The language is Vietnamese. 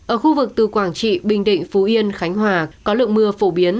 ở khu vực từ quảng trị bình định phú yên khánh hòa có lượng mưa phổ biến